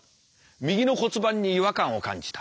右の骨盤に違和感を感じた。